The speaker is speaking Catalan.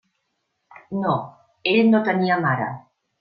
No; ell no tenia mare.